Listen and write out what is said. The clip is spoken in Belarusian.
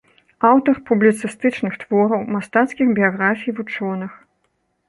Аўтар публіцыстычных твораў, мастацкіх біяграфій вучоных.